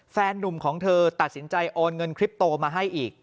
หนุ่มของเธอตัดสินใจโอนเงินคลิปโตมาให้อีก